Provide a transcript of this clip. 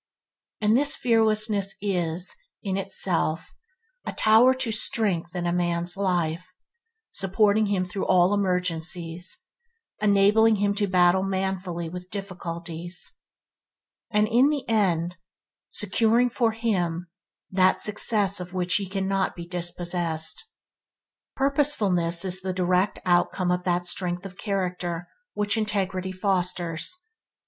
And this fearlessness is, in itself, a tower to strength in a man's life, supporting him through all emergencies, enabling him to battle manfully with difficulties, and in the end securing for him that success of which he cannot be dispossessed. Purposefulness is the direct outcome of that strength of character which integrity fosters.